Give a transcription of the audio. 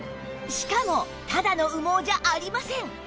しかもただの羽毛じゃありません！